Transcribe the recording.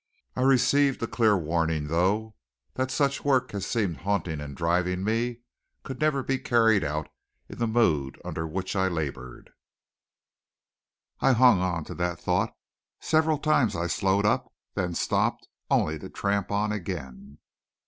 I received a clear warning thought that such work as seemed haunting and driving me could never be carried out in the mood under which I labored. I hung on to that thought. Several times I slowed up, then stopped, only to tramp on again.